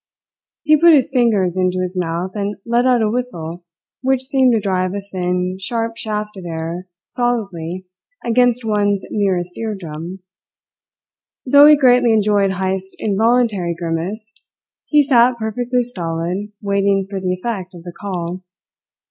He put his fingers into his mouth and let out a whistle which seemed to drive a thin, sharp shaft of air solidly against one's nearest ear drum. Though he greatly enjoyed Heyst's involuntary grimace, he sat perfectly stolid waiting for the effect of the call.